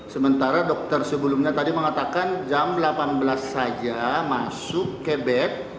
sementara dokter sebelumnya tadi mengatakan jam delapan belas saja masuk ke bed